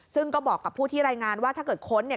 ซึ่งก็บอกกับผู้ที่รายงานว่าถ้าเกิดค้นเนี่ย